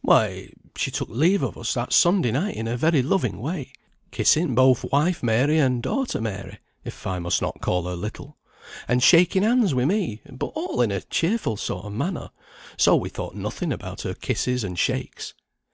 "Why, she took leave of us that Sunday night in a very loving way, kissing both wife Mary, and daughter Mary (if I must not call her little), and shaking hands with me; but all in a cheerful sort of manner, so we thought nothing about her kisses and shakes.